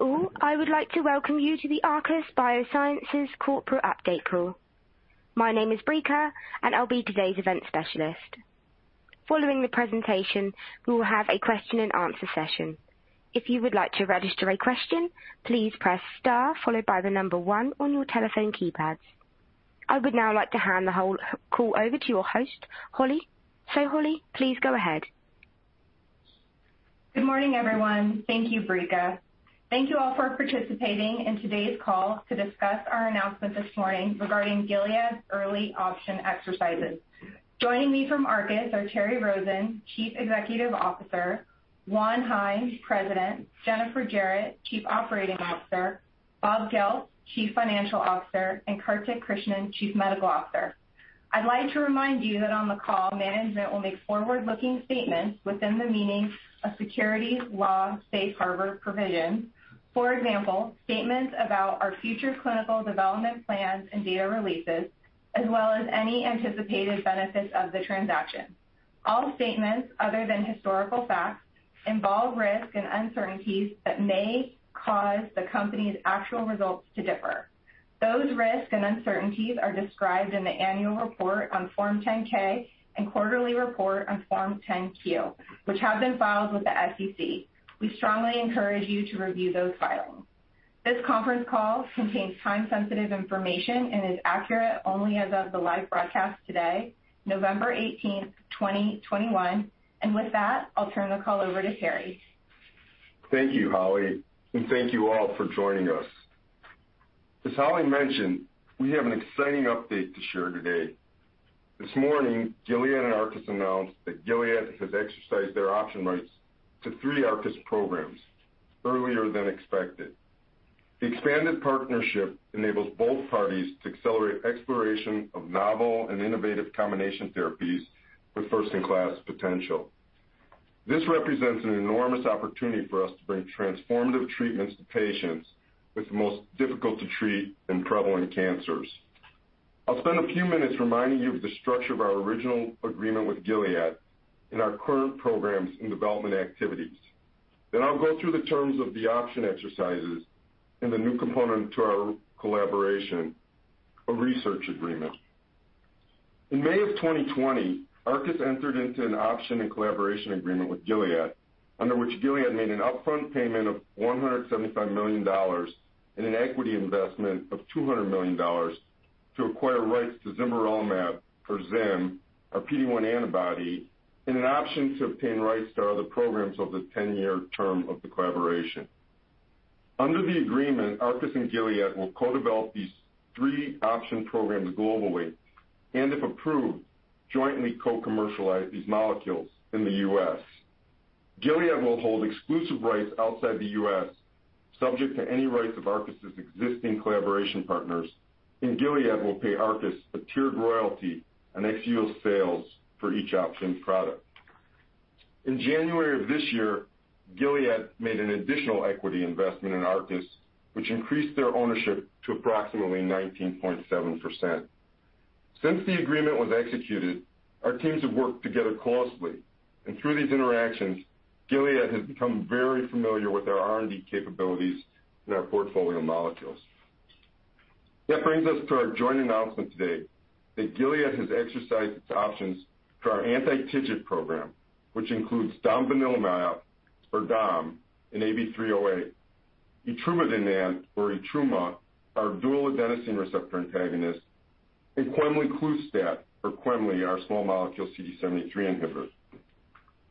Oh, I would like to welcome you to the Arcus Biosciences corporate update call. My name is Brica, and I'll be today's event specialist. Following the presentation, we will have a question-and-answer session. If you would like to register a question, please press star, followed by the number one on your telephone keypads. I would now like to hand the whole call over to your host, Holli. Holli, please go ahead. Good morning, everyone. Thank you, Brica. Thank you all for participating in today's call to discuss our announcement this morning regarding Gilead's early option exercises. Joining me from Arcus are Terry Rosen, Chief Executive Officer, Juan Jaen, President, Jennifer Jarrett, Chief Operating Officer, Bob Goeltz, Chief Financial Officer, and Kartik Krishnan, Chief Medical Officer. I'd like to remind you that on the call, management will make forward-looking statements within the meaning of securities laws safe harbor provisions. For example, statements about our future clinical development plans and data releases, as well as any anticipated benefits of the transaction. All statements other than historical facts involve risks and uncertainties that may cause the company's actual results to differ. Those risks and uncertainties are described in the annual report on Form 10-K and quarterly report on Form 10-Q, which have been filed with the SEC. We strongly encourage you to review those filings. This conference call contains time-sensitive information and is accurate only as of the live broadcast today, November 18, 2021. With that, I'll turn the call over to Terry. Thank you, Holli, and thank you all for joining us. As Holli mentioned, we have an exciting update to share today. This morning, Gilead and Arcus announced that Gilead has exercised their option rights to three Arcus programs earlier than expected. The expanded partnership enables both parties to accelerate exploration of novel and innovative combination therapies with first-in-class potential. This represents an enormous opportunity for us to bring transformative treatments to patients with the most difficult to treat and prevalent cancers. I'll spend a few minutes reminding you of the structure of our original agreement with Gilead and our current programs and development activities. Then I'll go through the terms of the option exercises and the new component to our collaboration, a research agreement. In May 2020, Arcus entered into an option and collaboration agreement with Gilead, under which Gilead made an upfront payment of $175 million and an equity investment of $200 million to acquire rights to zimberelimab, or zim, a PD-1 antibody, and an option to obtain rights to our other programs over the ten-year term of the collaboration. Under the agreement, Arcus and Gilead will co-develop these three option programs globally, and if approved, jointly co-commercialize these molecules in the U.S. Gilead will hold exclusive rights outside the U.S., subject to any rights of Arcus' existing collaboration partners, and Gilead will pay Arcus a tiered royalty on net sales for each optioned product. In January of this year, Gilead made an additional equity investment in Arcus, which increased their ownership to approximately 19.7%. Since the agreement was executed, our teams have worked together closely, and through these interactions, Gilead has become very familiar with our R&D capabilities and our portfolio molecules. That brings us to our joint announcement today that Gilead has exercised its options for our anti-TIGIT program, which includes domvanalimab, or dom, AB308, etrumadenant, or etruma, our dual adenosine receptor antagonist, and quemliclustat, or quemli, our small molecule CD73 inhibitor.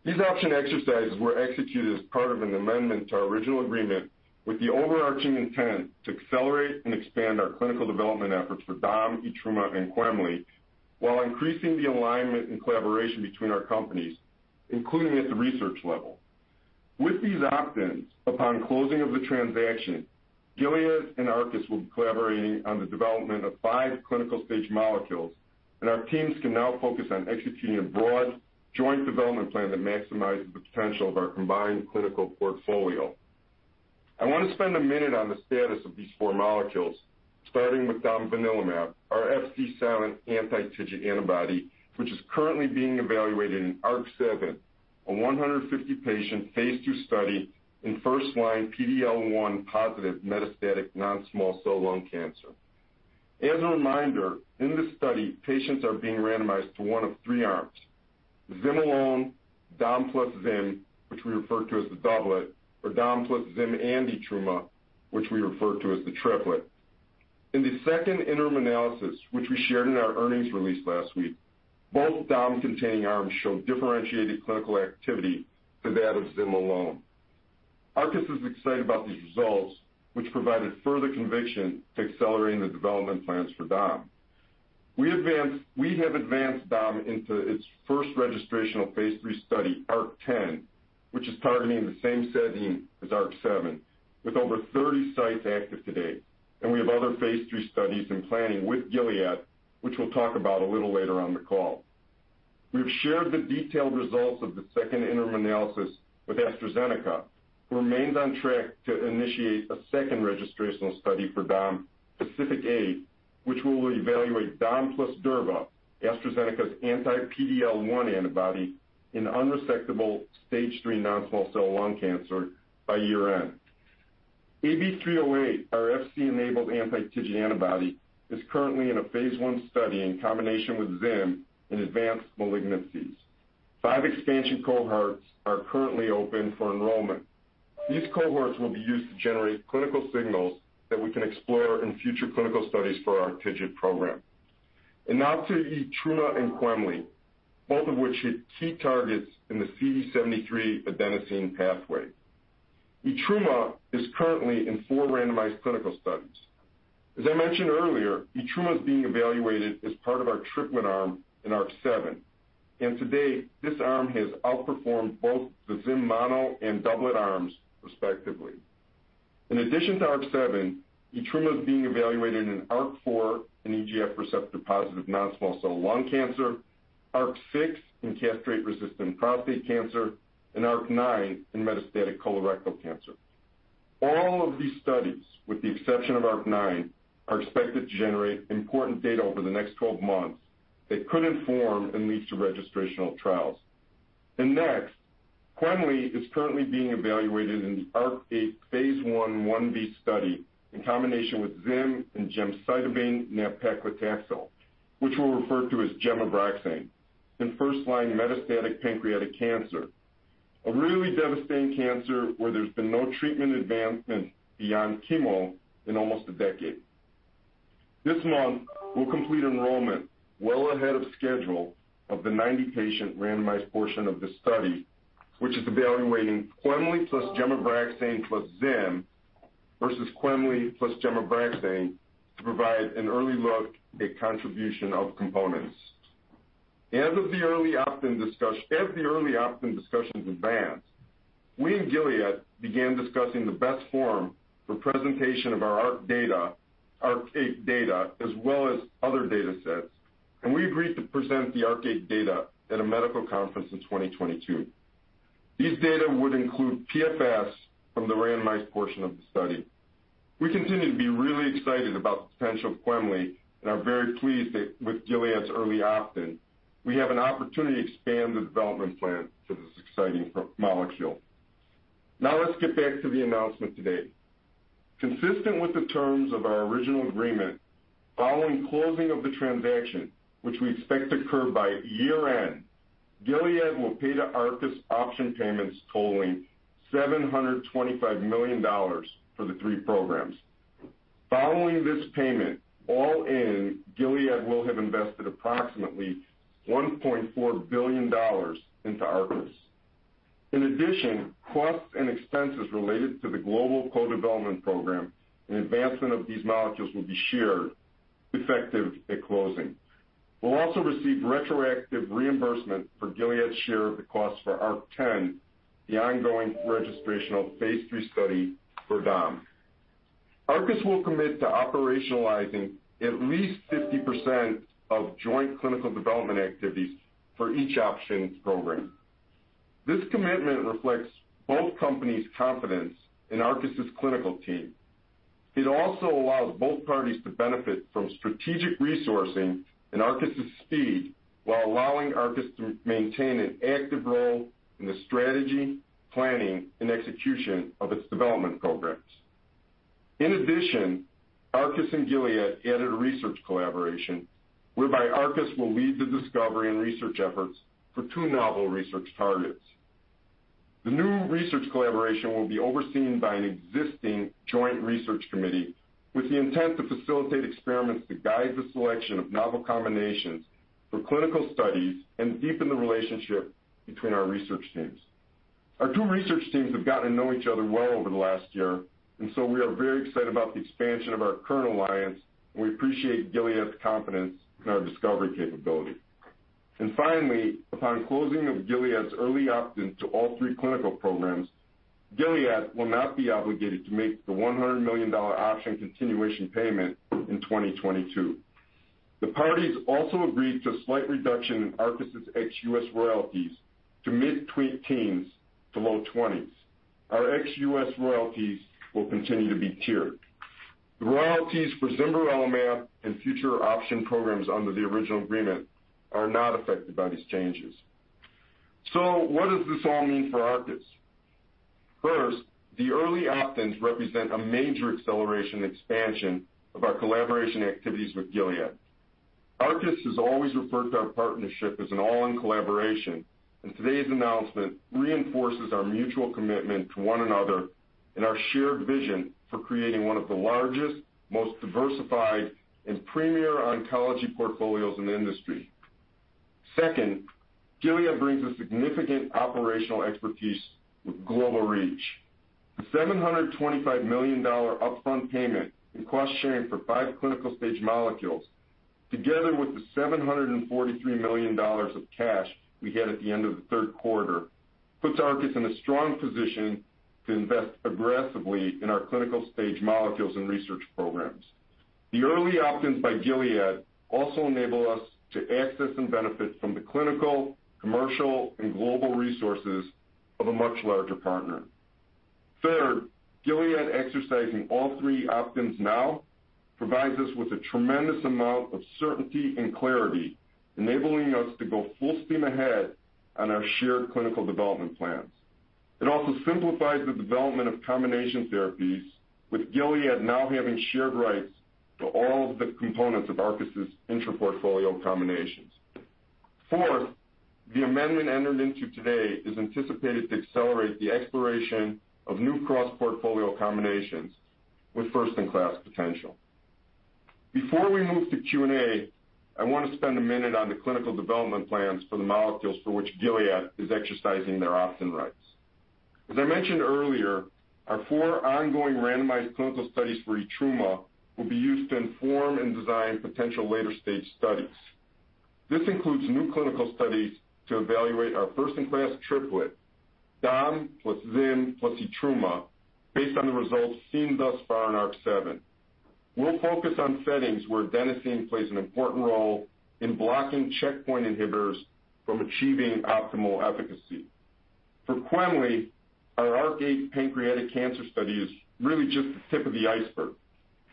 These option exercises were executed as part of an amendment to our original agreement with the overarching intent to accelerate and expand our clinical development efforts for dom, etruma, and quemli, while increasing the alignment and collaboration between our companies, including at the research level. With these options, upon closing of the transaction, Gilead and Arcus will be collaborating on the development of five clinical-stage molecules, and our teams can now focus on executing a broad joint development plan that maximizes the potential of our combined clinical portfolio. I want to spend a minute on the status of these four molecules, starting with domvanalimab, our Fc-enabled anti-TIGIT antibody, which is currently being evaluated in ARC-7, a 150-patient phase II study in first-line PD-L1 positive metastatic non-small cell lung cancer. As a reminder, in this study, patients are being randomized to one of three arms, zim alone, dom plus zim, which we refer to as the doublet, or dom plus zim and etruma, which we refer to as the triplet. In the second interim analysis, which we shared in our earnings release last week, both dom-containing arms showed differentiated clinical activity to that of zim alone. Arcus is excited about these results, which provided further conviction to accelerating the development plans for dom. We have advanced dom into its first registrational phase III study, ARC-10, which is targeting the same setting as ARC-7, with over 30 sites active to date. We have other phase III studies in planning with Gilead, which we'll talk about a little later on the call. We've shared the detailed results of the second interim analysis with AstraZeneca, who remains on track to initiate a second registrational study for dom, PACIFIC-8 which will evaluate dom plus durva, AstraZeneca's anti-PD-L1 antibody in unresectable stage III non-small cell lung cancer by year-end. AB308, our Fc-enabled anti-TIGIT antibody, is currently in a phase I study in combination with zim in advanced malignancies. Five expansion cohorts are currently open for enrollment. These cohorts will be used to generate clinical signals that we can explore in future clinical studies for our TIGIT program. Now to etruma and quemli, both of which hit key targets in the CD73 adenosine pathway. Etruma is currently in four randomized clinical studies. As I mentioned earlier, etruma is being evaluated as part of our triplet arm in ARC-7, and to date, this arm has outperformed both the zim mono and doublet arms, respectively. In addition to ARC-7, etruma is being evaluated in ARC-4 in EGF receptor-positive non-small cell lung cancer, ARC-6 in castrate-resistant prostate cancer, and ARC-9 in metastatic colorectal cancer. All of these studies, with the exception of ARC-9, are expected to generate important data over the next 12 months that could inform and lead to registrational trials. Next, quemli is currently being evaluated in the ARC-8 phase I/1b study in combination with zim and gemcitabine/nab-paclitaxel, which we'll refer to as gem/Abraxane, in first-line metastatic pancreatic cancer, a really devastating cancer where there's been no treatment advancement beyond chemo in almost a decade. This month, we'll complete enrollment well ahead of schedule of the 90-patient randomized portion of the study, which is evaluating quemli plus gem/Abraxane plus zim versus quemli plus gem/Abraxane to provide an early look at contribution of components. As the early opt-in discussions advanced, we and Gilead began discussing the best form for presentation of our ARC data, ARC-8 data, as well as other data sets, and we agreed to present the ARC-8 data at a medical conference in 2022. These data would include PFS from the randomized portion of the study. We continue to be really excited about the potential of quemli and are very pleased that with Gilead's early opt-in, we have an opportunity to expand the development plan for this exciting promising molecule. Now let's get back to the announcement today. Consistent with the terms of our original agreement, following closing of the transaction, which we expect to occur by year-end, Gilead will pay to Arcus option payments totaling $725 million for the three programs. Following this payment, all in, Gilead will have invested approximately $1.4 billion into Arcus. In addition, costs and expenses related to the global co-development program and advancement of these molecules will be shared effective at closing. We'll also receive retroactive reimbursement for Gilead's share of the cost for ARC-10, the ongoing registrational phase III study for dom. Arcus will commit to operationalizing at least 50% of joint clinical development activities for each option program. This commitment reflects both companies' confidence in Arcus' clinical team. It also allows both parties to benefit from strategic resourcing and Arcus' speed while allowing Arcus to maintain an active role in the strategy, planning, and execution of its development programs. In addition, Arcus and Gilead added a research collaboration whereby Arcus will lead the discovery and research efforts for two novel research targets. The new research collaboration will be overseen by an existing joint research committee with the intent to facilitate experiments to guide the selection of novel combinations for clinical studies and deepen the relationship between our research teams. Our two research teams have gotten to know each other well over the last year, and so we are very excited about the expansion of our current alliance, and we appreciate Gilead's confidence in our discovery capability. Finally, upon closing of Gilead's early opt-in to all three clinical programs, Gilead will not be obligated to make the $100 million option continuation payment in 2022. The parties also agreed to a slight reduction in Arcus' ex-U.S. royalties to mid-teens to low 20s. Our ex-U.S. royalties will continue to be tiered. The royalties for zimberelimab and future option programs under the original agreement are not affected by these changes. What does this all mean for Arcus? First, the early opt-ins represent a major acceleration expansion of our collaboration activities with Gilead. Arcus has always referred to our partnership as an all-in collaboration, and today's announcement reinforces our mutual commitment to one another and our shared vision for creating one of the largest, most diversified, and premier oncology portfolios in the industry. Second, Gilead brings a significant operational expertise with global reach. The $725 million upfront payment and cost sharing for five clinical-stage molecules, together with the $743 million of cash we had at the end of the third quarter, puts Arcus in a strong position to invest aggressively in our clinical-stage molecules and research programs. The early opt-ins by Gilead also enable us to access and benefit from the clinical, commercial, and global resources of a much larger partner. Third, Gilead exercising all three options now provides us with a tremendous amount of certainty and clarity, enabling us to go full steam ahead on our shared clinical development plans. It also simplifies the development of combination therapies, with Gilead now having shared rights to all of the components of Arcus' intra-portfolio combinations. Fourth, the amendment entered into today is anticipated to accelerate the exploration of new cross-portfolio combinations with first-in-class potential. Before we move to Q&A, I want to spend a minute on the clinical development plans for the molecules for which Gilead is exercising their option rights. As I mentioned earlier, our four ongoing randomized clinical studies for etruma will be used to inform and design potential later-stage studies. This includes new clinical studies to evaluate our first-in-class triplet, dom plus zim plus etruma, based on the results seen thus far in ARC-7. We'll focus on settings where adenosine plays an important role in blocking checkpoint inhibitors from achieving optimal efficacy. For quemli, our ARC-8 pancreatic cancer study is really just the tip of the iceberg.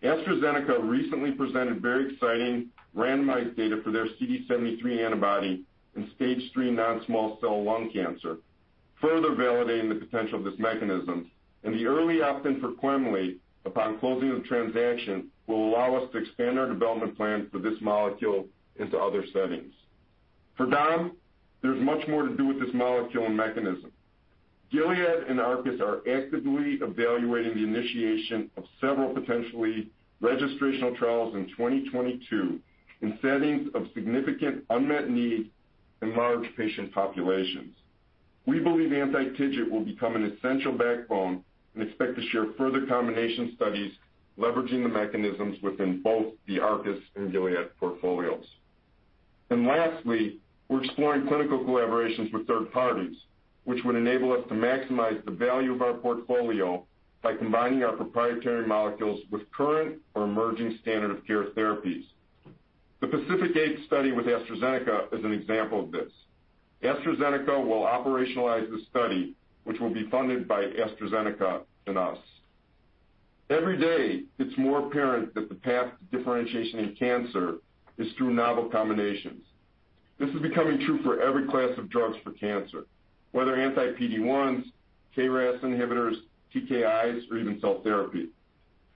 AstraZeneca recently presented very exciting randomized data for their CD73 antibody in stage III non-small cell lung cancer, further validating the potential of this mechanism. The early opt-in for quemli upon closing of transaction will allow us to expand our development plans for this molecule into other settings. For dom, there's much more to do with this molecule and mechanism. Gilead and Arcus are actively evaluating the initiation of several potentially registrational trials in 2022 in settings of significant unmet need in large patient populations. We believe anti-TIGIT will become an essential backbone and expect to share further combination studies leveraging the mechanisms within both the Arcus and Gilead portfolios. Lastly, we're exploring clinical collaborations with third parties, which would enable us to maximize the value of our portfolio by combining our proprietary molecules with current or emerging standard-of-care therapies. The PACIFIC-8 study with AstraZeneca is an example of this. AstraZeneca will operationalize the study, which will be funded by AstraZeneca and us. Every day, it's more apparent that the path to differentiation in cancer is through novel combinations. This is becoming true for every class of drugs for cancer, whether anti-PD-1s, KRAS inhibitors, TKIs, or even cell therapy.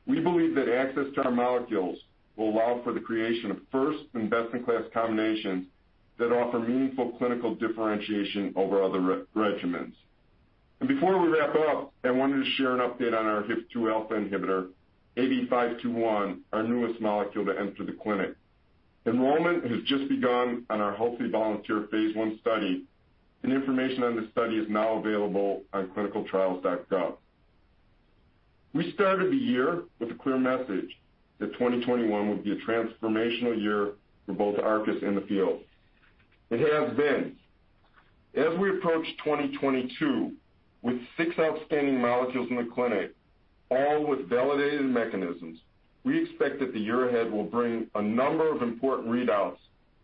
We believe that access to our molecules will allow for the creation of first and best-in-class combinations that offer meaningful clinical differentiation over other regimens. Before we wrap up, I wanted to share an update on our HIF-2α inhibitor, AB521, our newest molecule to enter the clinic. Enrollment has just begun on our healthy volunteer phase I study, and information on this study is now available on clinicaltrials.gov. We started the year with a clear message that 2021 would be a transformational year for both Arcus and the field. It has been. As we approach 2022 with six outstanding molecules in the clinic, all with validated mechanisms, we expect that the year ahead will bring a number of important readouts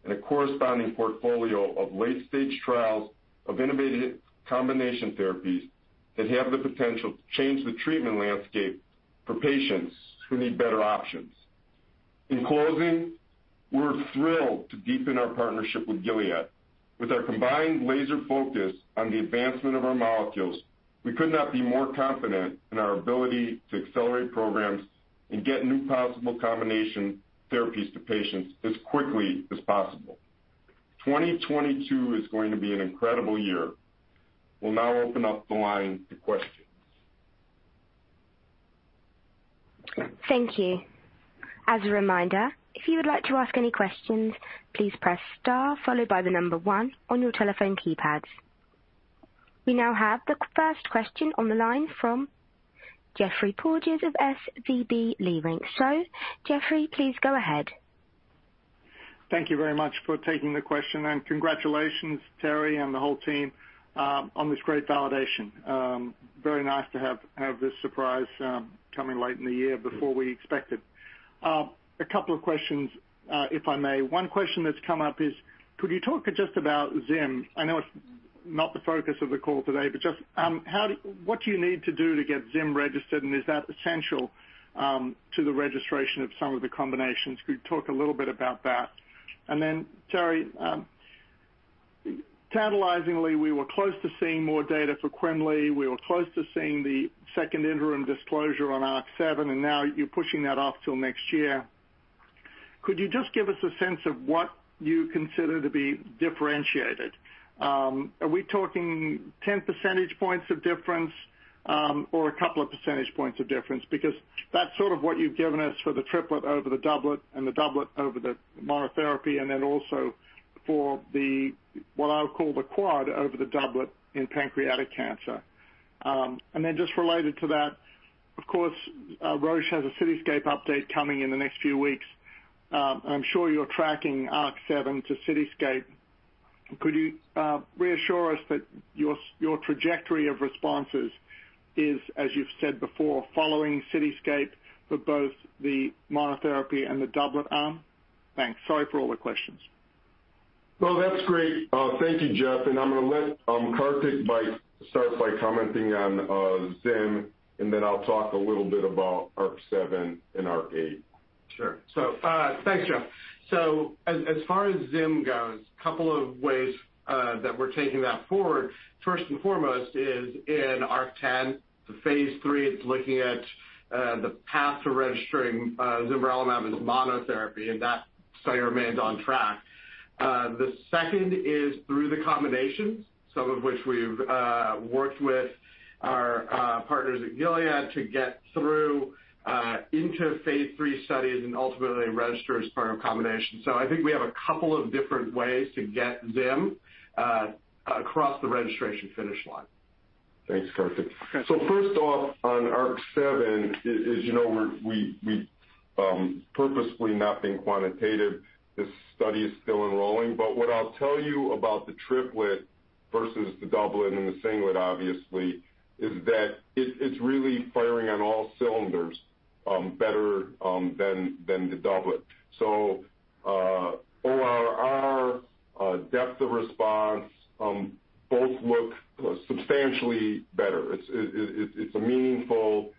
and a corresponding portfolio of late-stage trials of innovative combination therapies that have the potential to change the treatment landscape for patients who need better options. In closing, we're thrilled to deepen our partnership with Gilead. With our combined laser focus on the advancement of our molecules, we could not be more confident in our ability to accelerate programs and get new possible combination therapies to patients as quickly as possible. 2022 is going to be an incredible year. We'll now open up the line to questions. Thank you. As a reminder, if you would like to ask any questions, please press star followed by one on your telephone keypads. We now have the first question on the line from Geoffrey Porges of SVB Leerink. So Geoffrey, please go ahead. Thank you very much for taking the question, and congratulations, Terry and the whole team, on this great validation. Very nice to have this surprise coming late in the year before we expected. A couple of questions, if I may. One question that's come up is could you talk just about zim? I know it's not the focus of the call today, but just, what do you need to do to get zim registered, and is that essential to the registration of some of the combinations? Could you talk a little bit about that? Then Terry, tantalizingly, we were close to seeing more data for quemli. We were close to seeing the second interim disclosure on ARC-7, and now you're pushing that off till next year. Could you just give us a sense of what you consider to be differentiated? Are we talking 10 percentage points of difference, or a couple of percentage points of difference? Because that's sort of what you've given us for the triplet over the doublet and the doublet over the monotherapy, and then also for what I'll call the quad over the doublet in pancreatic cancer. Just related to that, of course, Roche has a CITYSCAPE update coming in the next few weeks. I'm sure you're tracking ARC-7 to CITYSCAPE. Could you reassure us that your trajectory of responses is, as you've said before, following CITYSCAPE for both the monotherapy and the doublet arm? Thanks. Sorry for all the questions. Well, that's great. Thank you, Geoff. I'm gonna let Kartik start by commenting on zim, and then I'll talk a little bit about ARC-7 and ARC-8. Sure. Thanks, Geoff. As far as zim goes, couple of ways that we're taking that forward, first and foremost is in ARC-10, the phase III, it's looking at the path to registering zimberelimab as a monotherapy, and that study remains on track. The second is through the combinations, some of which we've worked with our partners at Gilead to get through into phase III studies and ultimately register as part of a combination. I think we have a couple of different ways to get zim across the registration finish line. Thanks, Kartik. Okay. First off, on ARC-7, as you know, we're purposefully not being quantitative, this study is still enrolling. What I'll tell you about the triplet versus the doublet and the singlet obviously is that it's really firing on all cylinders, better than the doublet. ORR, depth of response, both look substantially better. It's a meaningful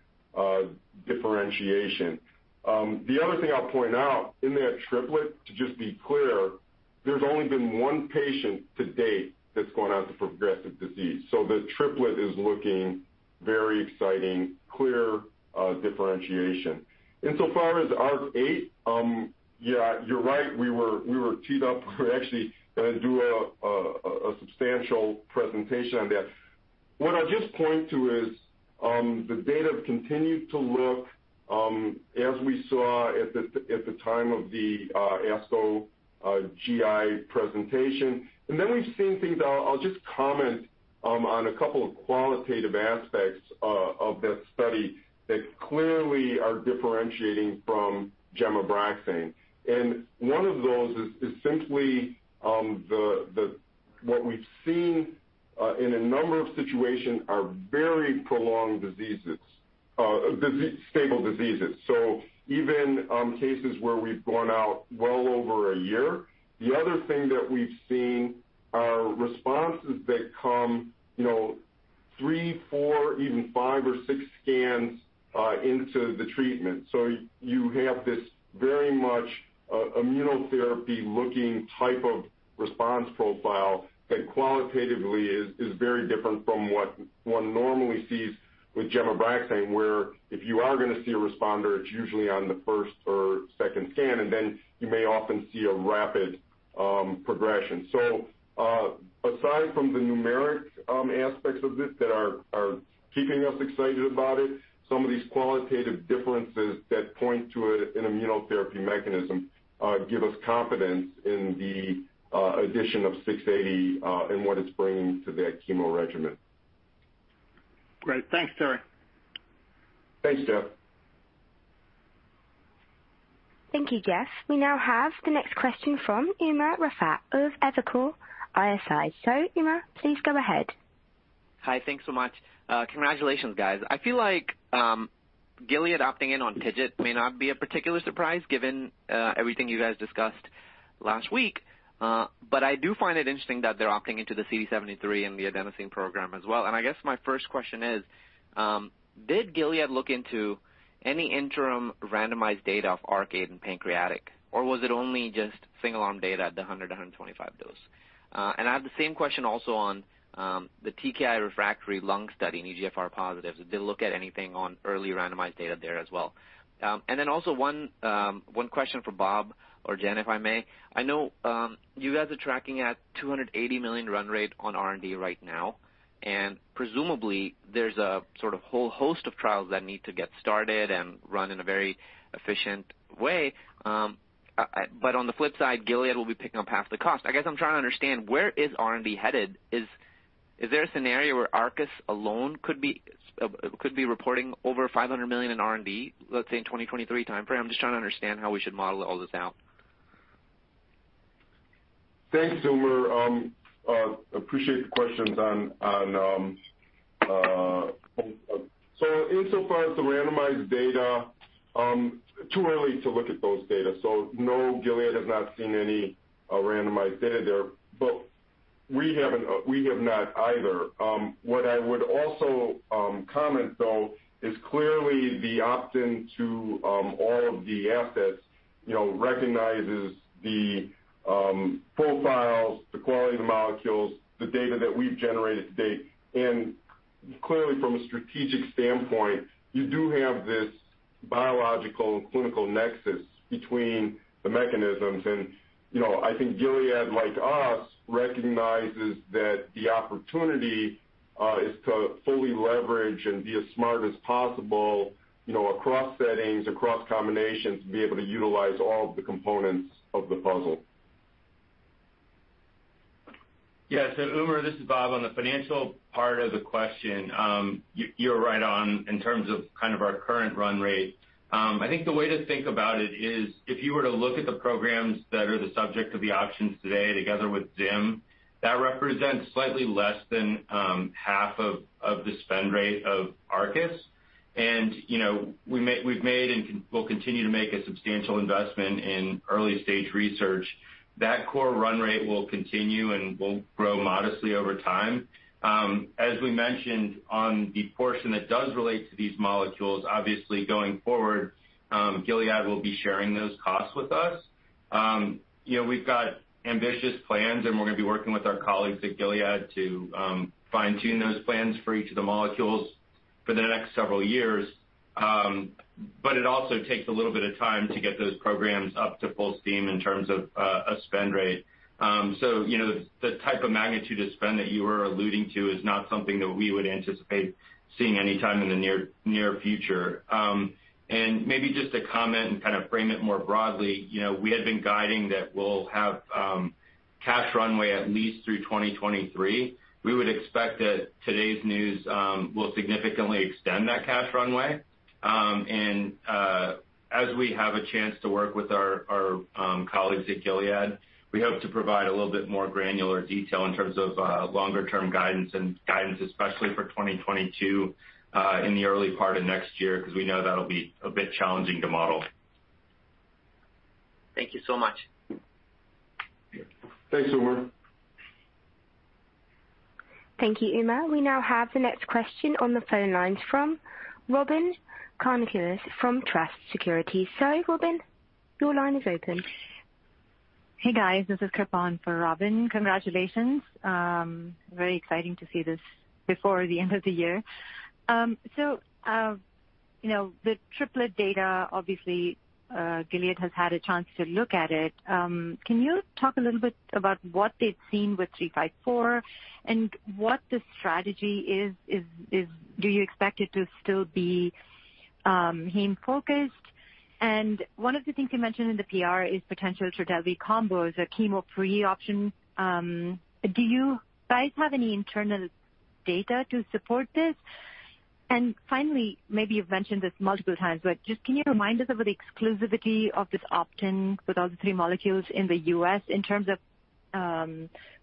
differentiation. The other thing I'll point out in that triplet, to just be clear, there's only been one patient to date that's gone on to progressive disease. The triplet is looking very exciting, clear differentiation. As far as ARC-8, yeah, you're right. We were teed up. We're actually gonna do a substantial presentation on that. What I'll just point to is the data continued to look as we saw at the time of the ASCO GI presentation. Then we've seen things I'll just comment on a couple of qualitative aspects of that study that clearly are differentiating from gem/Abraxane. One of those is simply what we've seen in a number of situations are very prolonged stable diseases, so even cases where we've gone out well over a year. The other thing that we've seen are responses that come, you know, three, four, even five or six scans into the treatment. You have this very much immunotherapy-looking type of response profile that qualitatively is very different from what one normally sees with gem/Abraxane, where if you are gonna see a responder, it's usually on the first or second scan, and then you may often see a rapid progression. Aside from the numeric aspects of it that are keeping us excited about it, some of these qualitative differences that point to an immunotherapy mechanism give us confidence in the addition of 680 and what it's bringing to that chemo regimen. Great. Thanks, Terry. Thanks, Geoff. Thank you, Geoff. We now have the next question from Umer Raffat of Evercore ISI. Umer, please go ahead. Hi. Thanks so much. Congratulations, guys. I feel like Gilead opting in on TIGIT may not be a particular surprise given everything you guys discussed last week. I do find it interesting that they're opting into the CD73 and the adenosine program as well. I guess my first question is, did Gilead look into any interim randomized data of ARC-8 in pancreatic? Or was it only just single-arm data at the 100 and 125 dose? I have the same question also on the TKI-refractory lung study in EGFR-positive. Did they look at anything on early randomized data there as well? One question for Bob or Jen, if I may. I know, you guys are tracking at $280 million run rate on R&D right now, and presumably there's a sort of whole host of trials that need to get started and run in a very efficient way. On the flip side, Gilead will be picking up half the cost. I guess I'm trying to understand where is R&D headed? Is there a scenario where Arcus alone could be reporting over $500 million in R&D, let's say in 2023 timeframe? I'm just trying to understand how we should model all this out. Thanks, Umer. Appreciate the questions on. So insofar as the randomized data, too early to look at those data, so no, Gilead has not seen any randomized data there, but we have not either. What I would also comment though is clearly the opt-in to all of the assets, you know, recognizes the profiles, the quality of the molecules, the data that we've generated to date. Clearly from a strategic standpoint, you do have this biological and clinical nexus between the mechanisms and, you know, I think Gilead, like us, recognizes that the opportunity is to fully leverage and be as smart as possible, you know, across settings, across combinations, to be able to utilize all of the components of the puzzle. Yeah. Umer, this is Bob. On the financial part of the question, you're right on in terms of kind of our current run rate. I think the way to think about it is if you were to look at the programs that are the subject of the options today together with zim, that represents slightly less than half of the spend rate of Arcus. You know, we've made and we'll continue to make a substantial investment in early stage research. That core run rate will continue and will grow modestly over time. As we mentioned on the portion that does relate to these molecules, obviously going forward, Gilead will be sharing those costs with us. You know, we've got ambitious plans, and we're gonna be working with our colleagues at Gilead to fine tune those plans for each of the molecules for the next several years. It also takes a little bit of time to get those programs up to full steam in terms of a spend rate. You know, the type of magnitude of spend that you were alluding to is not something that we would anticipate seeing any time in the near future. Maybe just to comment and kind of frame it more broadly, you know, we had been guiding that we'll have cash runway at least through 2023. We would expect that today's news will significantly extend that cash runway. As we have a chance to work with our colleagues at Gilead, we hope to provide a little bit more granular detail in terms of longer term guidance and guidance especially for 2022 in the early part of next year, because we know that'll be a bit challenging to model. Thank you so much. Thanks, Umer. Thank you, Umer. We now have the next question on the phone lines from Robyn Karnauskas from Truist Securities. Robyn, your line is open. Hey, guys. This is Kripa for Robyn. Congratulations. Very exciting to see this before the end of the year. So, you know, the triplet data, obviously, Gilead has had a chance to look at it. Can you talk a little bit about what they've seen with 354 and what the strategy is. Do you expect it to still be heme focused? One of the things you mentioned in the PR is potential Trodelvy combos, a chemo-free option. Do you guys have any internal data to support this? Finally, maybe you've mentioned this multiple times, but just can you remind us of the exclusivity of this option with all the three molecules in the U.S. in terms of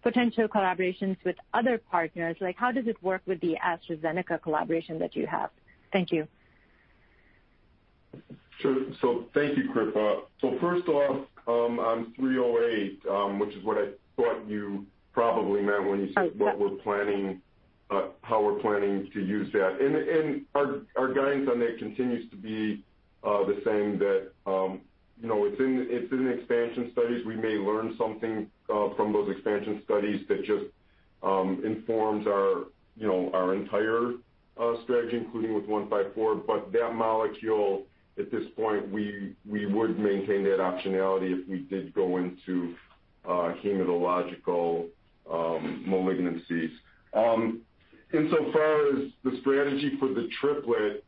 potential collaborations with other partners? Like, how does it work with the AstraZeneca collaboration that you have? Thank you. Sure. Thank you, Kripa. First off, on 308, which is what I thought you probably meant when you said what we're planning, how we're planning to use that. Our guidance on that continues to be the same that you know it's in expansion studies. We may learn something from those expansion studies that just informs our you know our entire strategy, including with 154. That molecule, at this point, we would maintain that optionality if we did go into hematological malignancies. Insofar as the strategy for the triplet,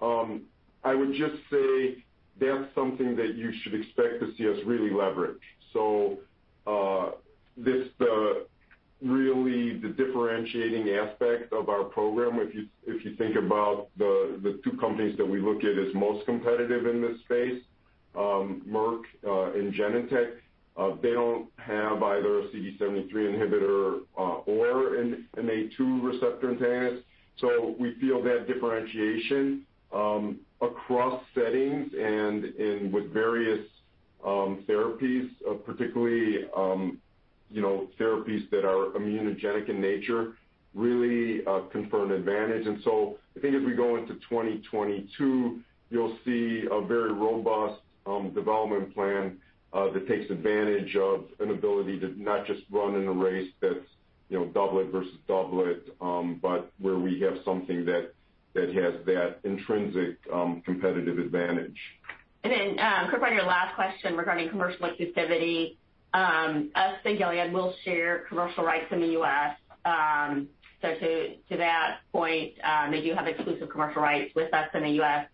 I would just say that's something that you should expect to see us really leverage. This really the differentiating aspect of our program. If you think about the two companies that we look at as most competitive in this space, Merck and Genentech, they don't have either a CD73 inhibitor or an A2a receptor antagonist. We feel that differentiation across settings and in with various therapies, particularly you know, therapies that are immunogenic in nature really confer an advantage. I think as we go into 2022, you'll see a very robust development plan that takes advantage of an ability to not just run in a race that's you know, doublet versus doublet, but where we have something that has that intrinsic competitive advantage. Kripa, on your last question regarding commercial exclusivity, us and Gilead will share commercial rights in the U.S. To that point, they do have exclusive commercial rights with us in the U.S.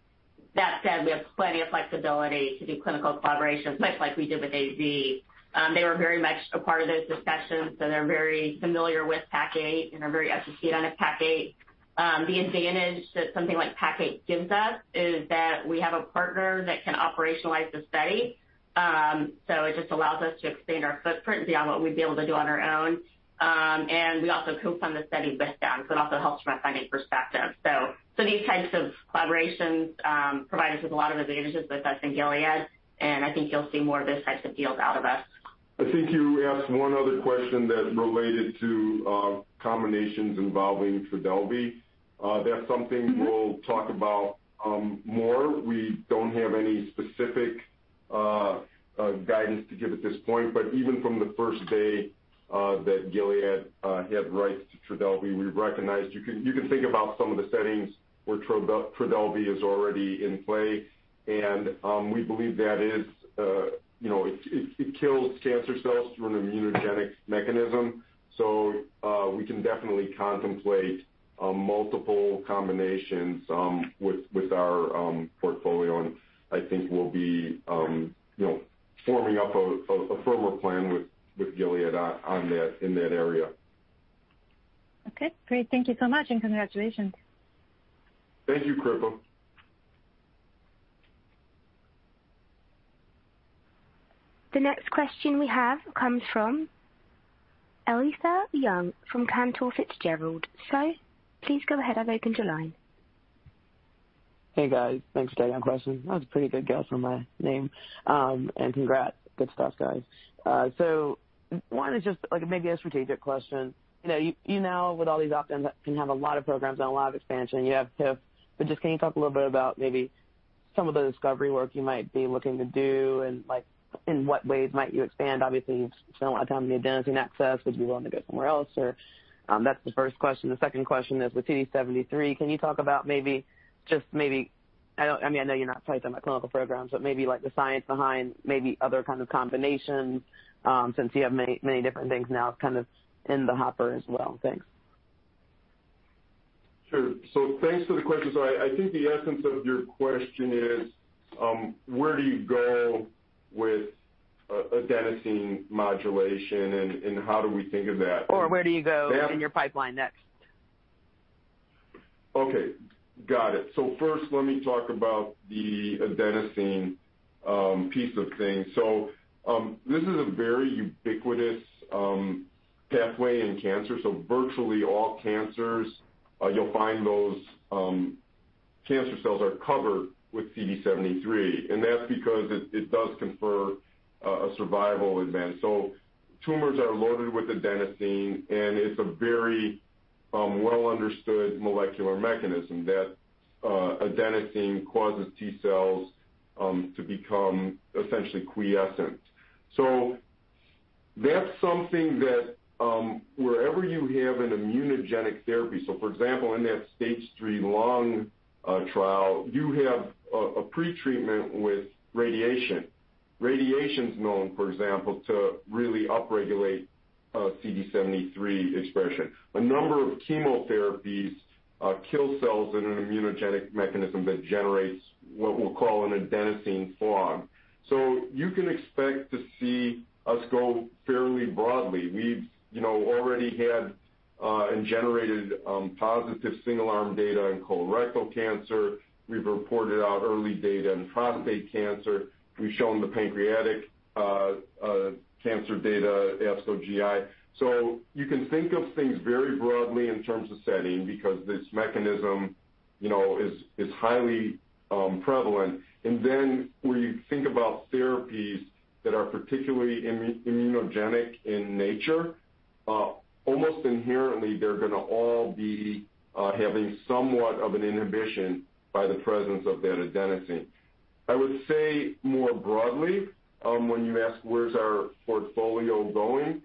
That said, we have plenty of flexibility to do clinical collaborations, much like we did with AZ. They were very much a part of those discussions, so they're very familiar with PACIFIC-8 and are very excited about PACIFIC-8. The advantage that something like PACIFIC-8 gives us is that we have a partner that can operationalize the study. It just allows us to expand our footprint beyond what we'd be able to do on our own. We also co-fund the study with them, so it also helps from a funding perspective. These types of collaborations provide us with a lot of advantages with us and Gilead, and I think you'll see more of those types of deals out of us. I think you asked one other question that related to combinations involving Trodelvy. That's something we'll talk about more. We don't have any specific guidance to give at this point. Even from the first day that Gilead had rights to Trodelvy, we recognized you can think about some of the settings where Trodelvy is already in play. We believe that is, you know, it kills cancer cells through an immunogenic mechanism. We can definitely contemplate multiple combinations with our portfolio. I think we'll be, you know, forming up a firmer plan with Gilead on that in that area. Okay, great. Thank you so much, and congratulations. Thank you, Kripa. The next question we have comes from Alethia Young from Cantor Fitzgerald. Please go ahead. I've opened your line. Hey, guys. Thanks for taking my question. That was a pretty good guess on my name. Congrats. Good stuff, guys. One is just like maybe a strategic question. You know, now, with all these opt-ins, can have a lot of programs and a lot of expansion you have to. Just can you talk a little bit about maybe some of the discovery work you might be looking to do and, like, in what ways might you expand? Obviously, you've spent a lot of time on the adenosine axis. Would you want to go somewhere else, or that's the first question. The second question is with CD73, can you talk about maybe, just maybe, I mean, I know you're not tight on the clinical programs, but maybe like the science behind maybe other kinds of combinations, since you have many, many different things now kind of in the hopper as well. Thanks. Sure. So thanks for the question. I think the essence of your question is, where do you go with adenosine modulation, and how do we think of that? Where do you go in your pipeline next? Okay, got it. First, let me talk about the adenosine piece of things. This is a very ubiquitous pathway in cancer. Virtually all cancers, you'll find those cancer cells are covered with CD73, and that's because it does confer a survival advantage. Tumors are loaded with adenosine, and it's a very well understood molecular mechanism that adenosine causes T cells to become essentially quiescent. That's something that wherever you have an immunogenic therapy, for example, in that stage III lung trial, you have a pretreatment with radiation. Radiation's known, for example, to really upregulate CD73 expression. A number of chemotherapies kill cells in an immunogenic mechanism that generates what we'll call an adenosine fog. You can expect to see us go fairly broadly. We've you know already had and generated positive single-arm data in colorectal cancer. We've reported out early data in prostate cancer. We've shown the pancreatic cancer data, ASCO GI. You can think of things very broadly in terms of setting because this mechanism you know is highly prevalent. When you think about therapies that are particularly immunogenic in nature, almost inherently, they're gonna all be having somewhat of an inhibition by the presence of that adenosine. I would say more broadly, when you ask where's our portfolio going,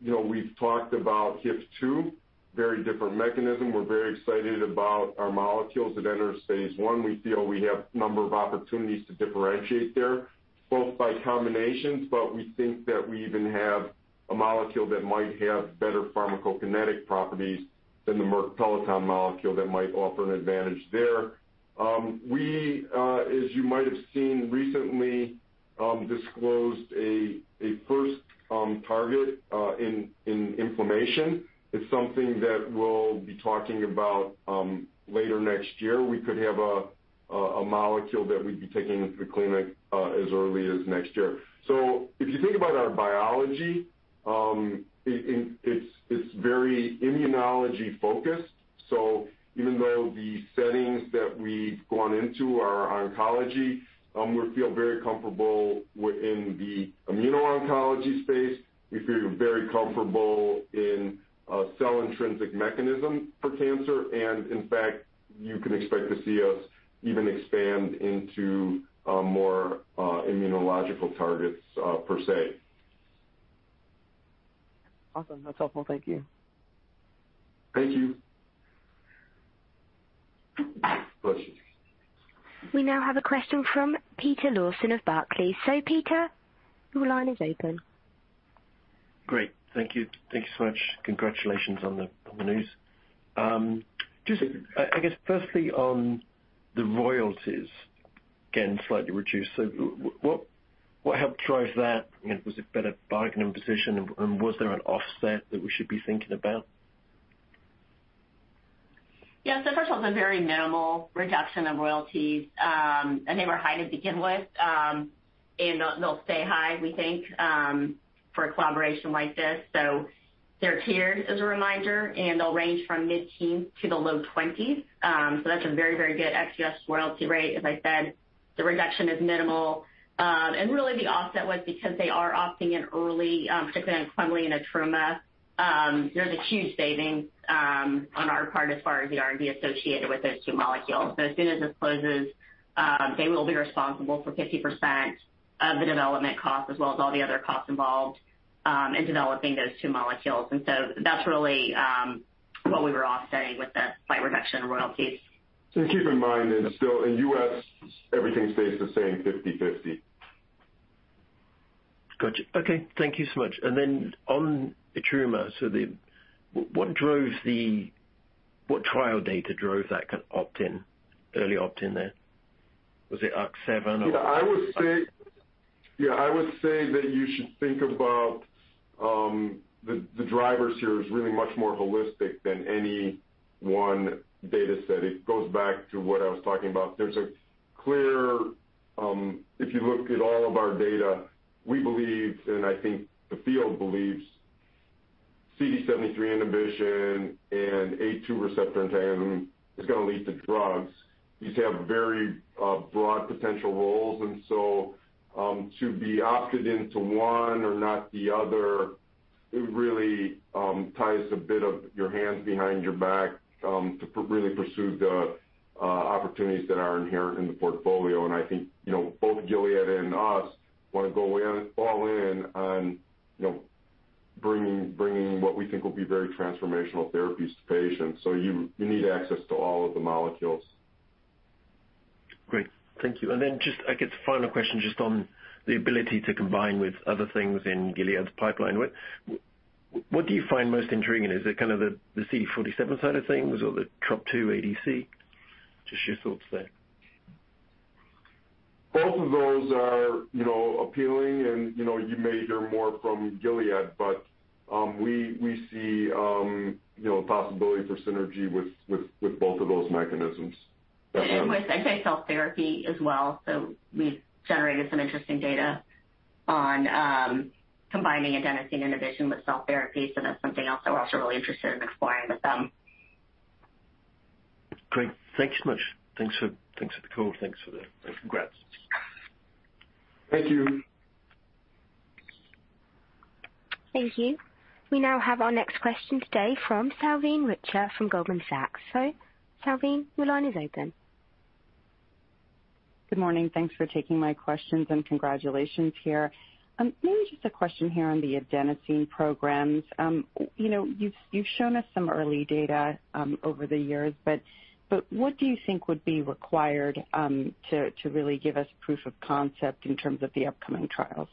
you know, we've talked about HIF-2, very different mechanism. We're very excited about our molecules that enter phase I. We feel we have a number of opportunities to differentiate there, both by combinations, but we think that we even have a molecule that might have better pharmacokinetic properties than the Merck Peloton molecule that might offer an advantage there. We, as you might have seen recently, disclosed a first target in inflammation. It's something that we'll be talking about later next year. We could have a molecule that we'd be taking into the clinic as early as next year. If you think about our biology, it's very immunology-focused. Even though the settings that we've gone into are oncology, we feel very comfortable within the immuno-oncology space. We feel very comfortable in a cell-intrinsic mechanism for cancer. In fact, you can expect to see us even expand into more immunological targets per se. Awesome. That's helpful. Thank you. Thank you. Next question. We now have a question from Peter Lawson of Barclays. So Peter, your line is open. Great. Thank you. Thank you so much. Congratulations on the news. Just, I guess, firstly on the royalties, again, slightly reduced. What helped drive that? Was it better bargaining position and was there an offset that we should be thinking about? Yeah. First of all, it's a very minimal reduction in royalties. They were high to begin with, and they'll stay high, we think, for a collaboration like this. They're tiered, as a reminder, and they'll range from mid-teens to the low 20s. That's a very, very good ex-U.S. royalty rate. As I said, the reduction is minimal. Really the offset was because they are opting in early, particularly in quemli and etruma. There's a huge savings on our part as far as the R&D associated with those two molecules. As soon as this closes, they will be responsible for 50% of the development costs as well as all the other costs involved in developing those two molecules. That's really what we were offsetting with the slight reduction in royalties. Keep in mind that still in U.S., everything stays the same 50/50. Gotcha. Okay. Thank you so much. On etruma, what trial data drove that opt-in, early opt-in there? Was it ARC-7 or- Yeah, I would say that you should think about the drivers here is really much more holistic than any one data set. It goes back to what I was talking about. There's a clear if you look at all of our data, we believe, and I think the field believes CD73 inhibition and A2 receptor antagonism is gonna lead to drugs. These have very broad potential roles. To be opted into one or not the other, it really ties a bit of your hands behind your back to really pursue the opportunities that are inherent in the portfolio. I think you know, both Gilead and us wanna go in all in on you know, bringing what we think will be very transformational therapies to patients. You need access to all of the molecules. Great. Thank you. Just, I guess, final question just on the ability to combine with other things in Gilead's pipeline. What do you find most intriguing? Is it kind of the CD47 side of things or the Trop-2 ADC? Just your thoughts there. Both of those are, you know, appealing. You know, you may hear more from Gilead, but we see, you know, possibility for synergy with both of those mechanisms. With, I'd say, cell therapy as well. We've generated some interesting data on combining adenosine inhibition with cell therapy. That's something else that we're also really interested in exploring with them. Great. Thanks so much. Thanks for the call. Congrats. Thank you. Thank you. We now have our next question today from Salveen Richter from Goldman Sachs. Salveen, your line is open. Good morning. Thanks for taking my questions, and congratulations here. Maybe just a question here on the adenosine programs. You know, you've shown us some early data over the years, but what do you think would be required to really give us proof of concept in terms of the upcoming trials?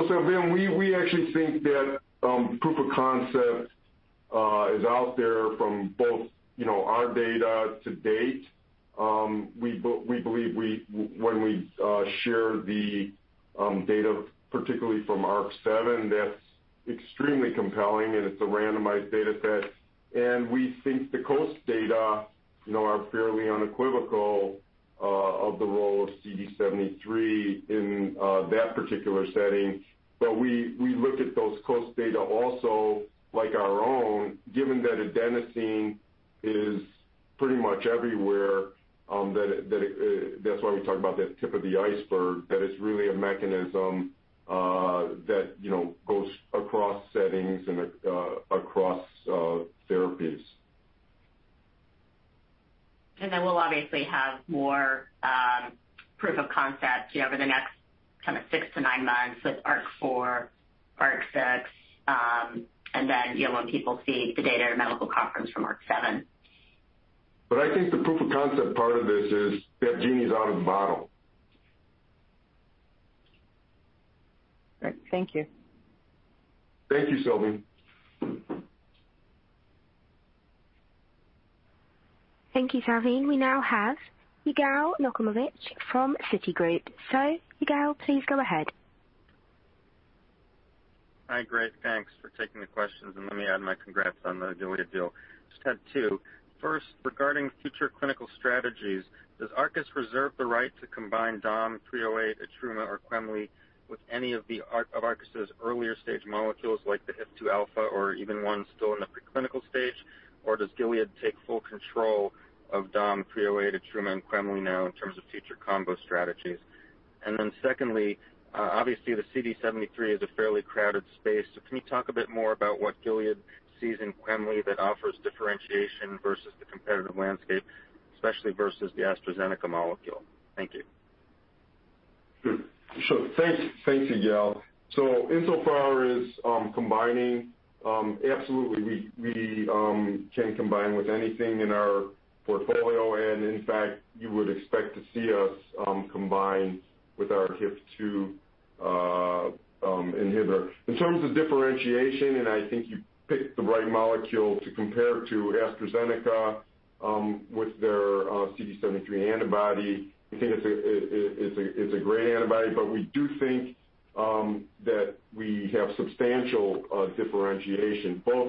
Salveen, we actually think that proof of concept is out there from both, you know, our data to date. We believe when we share the data, particularly from ARC-7, that's extremely compelling, and it's a randomized data set. We think the COAST data, you know, are fairly unequivocal of the role of CD73 in that particular setting. We look at those COAST data also like our own, given that adenosine is pretty much everywhere, that it. That's why we talk about the tip of the iceberg, that it's really a mechanism that, you know, goes across settings and across therapies. We'll obviously have more proof of concept, you know, over the next kinda six to nine months with ARC-4, ARC-6, and then, you know, when people see the data at a medical conference from ARC-7. I think the proof of concept part of this is that genie's out of the bottle. Great. Thank you. Thank you, Salveen. Thank you, Salveen. We now have Yigal Nochomovitz from Citigroup. Yigal, please go ahead. Hi. Great. Thanks for taking the questions. Let me add my congrats on the Gilead deal. I just have two. First, regarding future clinical strategies, does Arcus reserve the right to combine dom 308, etruma, or quemli with any of Arcus' earlier stage molecules like the HIF-2α or even one still in the preclinical stage? Or does Gilead take full control of dom 308, etruma, and quemli now in terms of future combo strategies? Second, obviously the CD73 is a fairly crowded space. So can you talk a bit more about what Gilead sees in quemli that offers differentiation versus the competitive landscape, especially versus the AstraZeneca molecule? Thank you. Sure. Thanks, Yigal. Insofar as combining, absolutely, we can combine with anything in our portfolio, and in fact you would expect to see us combine with our HIF-2α inhibitor. In terms of differentiation, and I think you picked the right molecule to compare to AstraZeneca with their CD73 antibody. I think it's a great antibody, but we do think that we have substantial differentiation both-